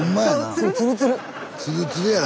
ツルツルやな